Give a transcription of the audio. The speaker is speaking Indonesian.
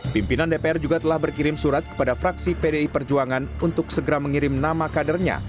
pimpinan dpr juga telah berkirim surat kepada fraksi pdi perjuangan untuk segera mengirim nama kadernya